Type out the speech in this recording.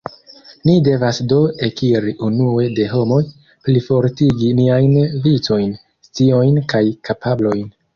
Ni devas do ekiri unue de homoj, plifortigi niajn vicojn, sciojn kaj kapablojn.